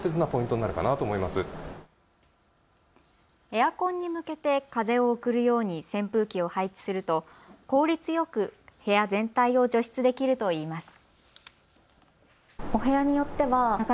エアコンに向けて風を送るように扇風機を配置すると効率よく部屋全体を除湿できるといいます。